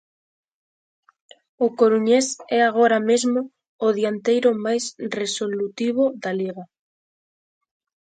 O coruñés é agora mesmo o dianteiro máis resolutivo da Liga.